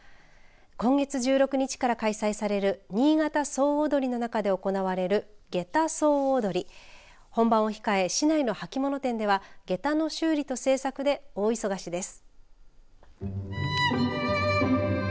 今月１６日から開催されるにいがた総おどりの中で行われる下駄総踊り本番を控え、市内の履物店ではげたの修理と制作で大忙しです。